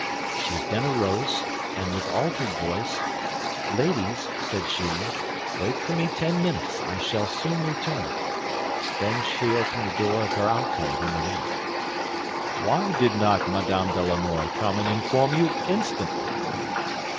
"She then arose, and with altered voice, 'Ladies,' said she, 'wait for me ten minutes, I shall soon return.' She then opened the door of her alcove, and went out." "Why did not Madame de Lannoy come and inform you instantly?"